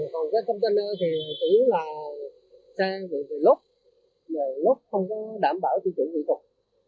còn container thì chỉ là xe bị lốt lốt không đảm bảo tiêu chuẩn kỹ thuật